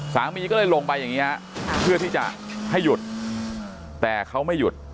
สามีก็เลยลงไปอย่างนี้เพื่อที่จะให้หยุดแต่เขาไม่หยุด